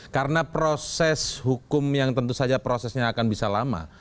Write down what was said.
karena proses hukum yang tentu saja prosesnya akan bisa lama